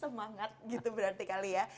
semangat gitu berarti kali ya